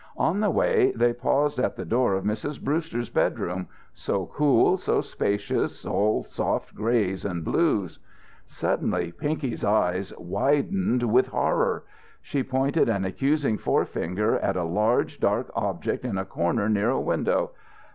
On the way they paused at the door of Mrs. Brewster's bedroom, so cool, so spacious, all soft greys and blues. Suddenly Pinky's eyes widened with horror. She pointed an accusing forefinger at a large dark object in a corner near a window.